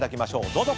どうぞ。